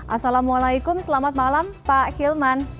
assalamualaikum selamat malam pak hilman